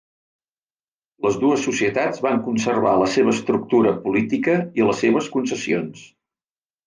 Les dues societats van conservar la seva estructura política i les seves concessions.